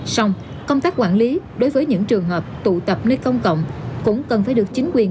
xong công tác quản lý đối với những trường hợp tụ tập nơi công cộng cũng cần phải được chính quyền